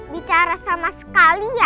bicara sama sekali ya